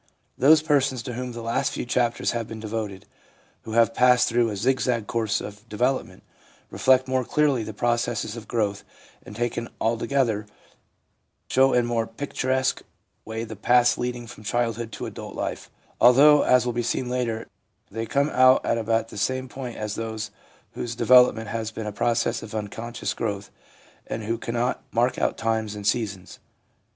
Those persons to whom the last few chapters have been devoted, who have passed through a zigzag course of development, reflect more clearly the processes of growth, and, taken all together, show in more picturesque way the paths leading from childhood to adult life ; although, as will be seen later, they come out at about the same point as those whose develop ment has been a process of unconscious growth, and who cannot mark out times and seasons.